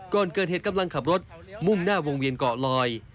ก่อนเกิดเหตุกำลังขับรถมุ่งหน้าวงเวียนเกาะลอย